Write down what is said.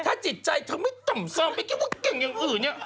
ถ้าจิตใจเขาไม่กำซามไม่เก่งอย่างอื่นเนี่ย